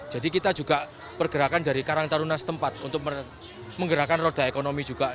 jadi kita juga pergerakan dari karang tarunan setempat untuk menggerakkan roda ekonomi juga